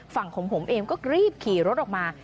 ฝั่งของผมเองก็รีบขี่รถออกมา